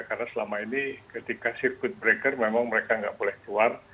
karena selama ini ketika sirkuit breaker memang mereka nggak boleh keluar